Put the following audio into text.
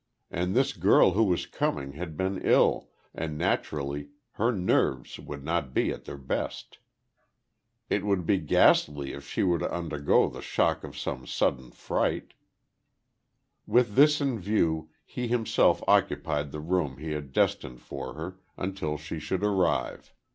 And this girl who was coming had been ill, and naturally her nerves would not be at their best. It would be ghastly if she were to undergo the shock of some sudden fright. With this in view he himself occupied the room he had destined for her, until she should arrive.